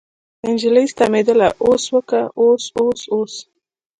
نجلۍ ستمېدله اوس وکه اوس اوس اوس.